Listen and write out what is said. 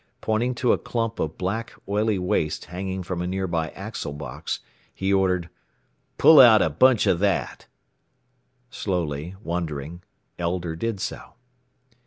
Pointing to a clump of black, oily waste hanging from a nearby axle box, he ordered, "Pull out a bunch of that!" Slowly, wondering, Elder did so.